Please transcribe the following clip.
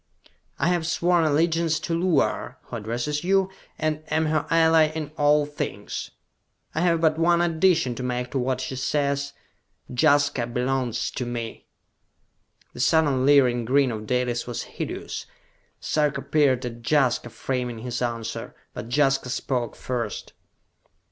"I have sworn allegiance to Luar, who addresses you, and am her ally in all things! I have but one addition to make to what she says: Jaska belongs to me!" The sudden leering grin of Dalis was hideous. Sarka peered at Jaska, framing his answer. But Jaska spoke first.